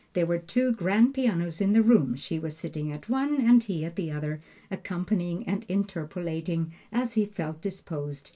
There were two grand pianos in the room; she was sitting at one, and he at the other, accompanying and interpolating as he felt disposed.